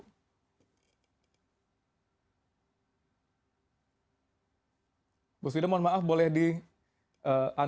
ibu svida mohon maaf boleh di unlead